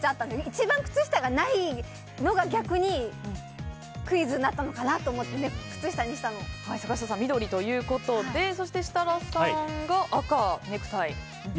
一番くつしたがないのが逆にクイズになったのかなと思って坂下さん、緑ということでそして、設楽さんが赤のネクタイ。